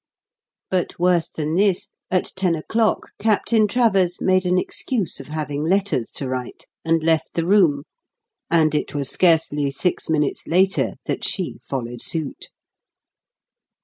But worse than this, at ten o'clock Captain Travers made an excuse of having letters to write, and left the room, and it was scarcely six minutes later that she followed suit.